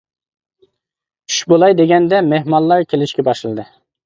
چۈش بولاي دېگەندە مېھمانلار كېلىشكە باشلىدى.